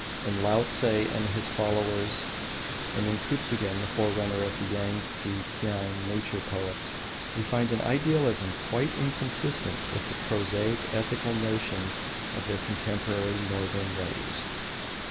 In Laotse and his followers and in Kutsugen, the forerunner of the Yangtse Kiang nature poets, we find an idealism quite inconsistent with the prosaic ethical notions of their contemporary northern writers.